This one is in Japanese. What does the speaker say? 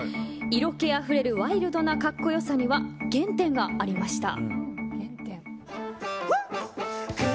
色気あふれるワイルドな格好良さには原点がありました。